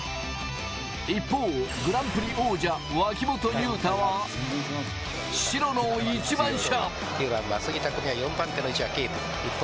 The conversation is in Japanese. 一方、グランプリ王者・脇本雄太は、白の１番車。